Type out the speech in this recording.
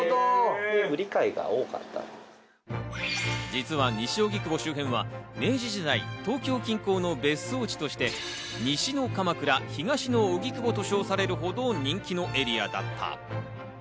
実は西荻窪周辺は、明治時代、東京近郊の別荘地として西の鎌倉、東の荻窪と称されるほど人気のエリアだった。